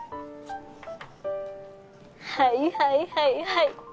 はいはいはいはい。